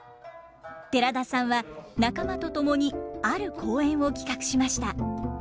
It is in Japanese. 寺田さんは仲間と共にある公演を企画しました。